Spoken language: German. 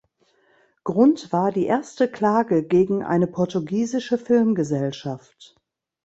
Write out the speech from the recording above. Grund war die erste Klage gegen eine portugiesische Filmgesellschaft.